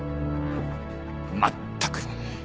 まったく。